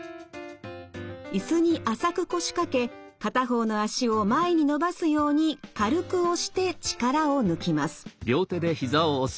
椅子に浅く腰掛け片方の脚を前に伸ばすように軽く押して力を抜きます。